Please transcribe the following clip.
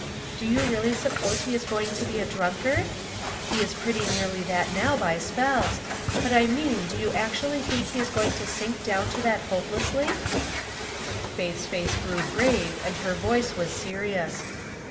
" Do you really suppose he is going to be a drunkard ? He is pretty nearly that now by spells ; but I mean do you actually think he is going to sink down to that hopeless ly ?" Faith's face grew grave and her voice was serious.